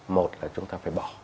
một là chúng ta phải bỏ